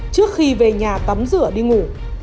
trước khi về nhà tắm rửa đi ngủ